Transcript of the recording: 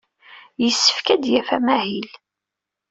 Yessefk ad d-yaf amahil.